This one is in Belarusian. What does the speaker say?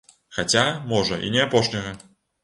Хаця, можа, і не апошняга.